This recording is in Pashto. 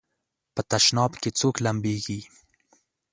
په تشناب کې څوک لمبېږي؟